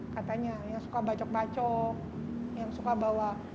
katanya yang suka bacok bacok yang suka bawa